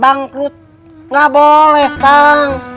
tangkrut gak boleh tang